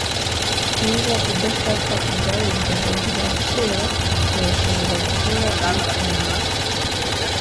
Niba udashaka igare ryawe rya kera, urashobora guhora uyitanga.